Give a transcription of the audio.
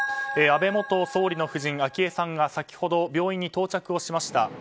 安倍元総理の夫人・昭恵さんが先ほど病院に到着をしました。